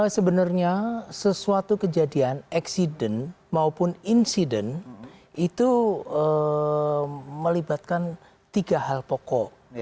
sebenarnya sesuatu kejadian accident maupun insiden itu melibatkan tiga hal pokok